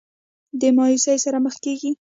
د مايوسۍ سره مخ کيږي